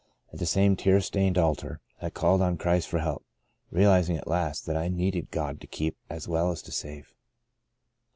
At the same tear stained altar, I called on Christ for help, realizing, at last, that I needed God to keep as well as to save.